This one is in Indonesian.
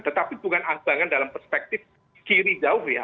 tetapi bukan abangan dalam perspektif kiri jauh ya